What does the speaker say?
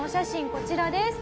こちらです。